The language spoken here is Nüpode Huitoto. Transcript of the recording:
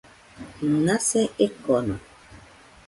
Nase ekono.